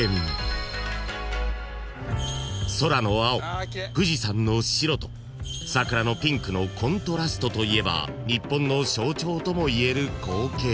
［空の青富士山の白と桜のピンクのコントラストといえば日本の象徴ともいえる光景］